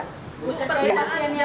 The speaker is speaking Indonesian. teman teman terima kasih lah